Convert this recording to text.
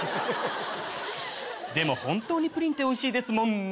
でも本当にプリンっておいしいですもんね。